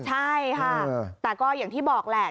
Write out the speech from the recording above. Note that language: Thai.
ใช่ค่ะแต่ก็อย่างที่บอกแหละ